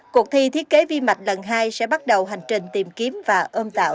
cuộc thi thiết kế vi mạch lần hai sẽ bắt đầu hành trình tìm kiếm và ôm tạo